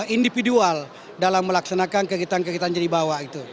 individual dalam melaksanakan kegiatan kegiatan jenis bawah itu